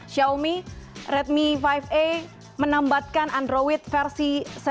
xiaomi redmi lima a menambatkan android versi satu